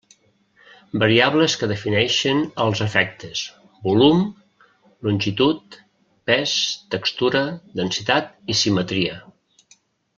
Variables que defineixen els efectes: volum, longitud, pes, textura, densitat i simetria.